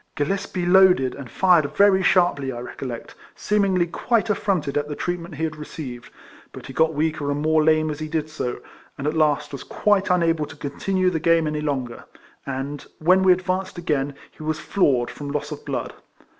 Gillespie loaded, and fired very sharply, I recollect; seemingly quite affronted at the treatment he had received ; but he got weaker and more lame as he did so, and at last was quite unable to continue the game any longer; and, when we advanced again, he was floored from loss of blood.